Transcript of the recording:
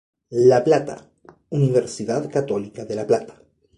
La Plata: Universidad Católica de La Plata.